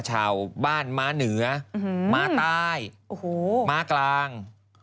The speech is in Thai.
ชาวบ้านม้าเหนือม้าใต้ม้ากลาง